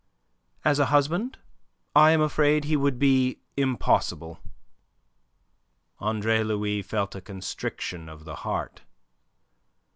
"As a husband I am afraid he would be impossible." Andre Louis felt a constriction of the heart.